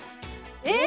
えっ？